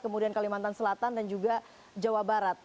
kemudian kalimantan selatan dan juga jawa barat